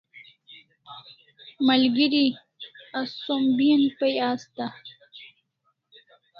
Malgeri as som bi'an pai asta